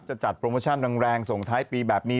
จัดโปรโมชั่นแรงส่งท้ายปีแบบนี้